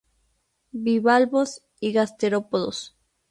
Bivalvos y gasterópodos.